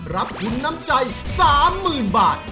รับทุนน้ำใจ๓๐๐๐บาท